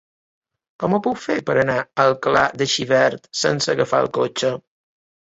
Com ho puc fer per anar a Alcalà de Xivert sense agafar el cotxe?